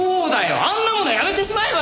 あんなものやめてしまえばいいんだよ！